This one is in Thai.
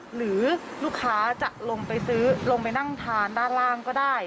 หรือลูกค้าจะลงไปซื้อลงไปนั่งทานด้านล่างก็ได้